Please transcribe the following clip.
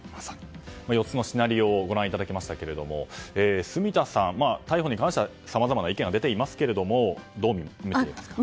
４つのシナリオをご覧いただきましたが住田さん、逮捕に関してはさまざまな意見が出ていますけれどもどう見ていますか。